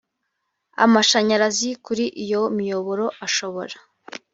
amashanyarazi kuri iyo miyoboro ashobora